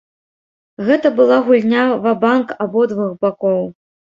Гэта была гульня ва-банк абодвух бакоў.